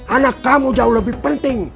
anak kamu jauh lebih penting